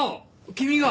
君が。